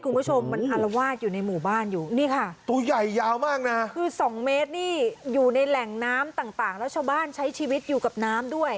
คุณผู้ชมมันอารวาสอยู่ในหมู่บ้านอยู่นี่ค่ะตัวใหญ่ยาวมากน่ะคือสองเมตรนี่อยู่ในแหล่งน้ำต่างต่างแล้วชาวบ้านใช้ชีวิตอยู่กับน้ำด้วย